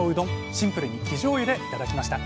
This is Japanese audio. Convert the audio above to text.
シンプルに生じょうゆで頂きました